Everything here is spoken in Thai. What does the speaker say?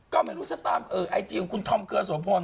ก็ไม่รู้สักตังค์ไอจีคุณทอมเก๗๘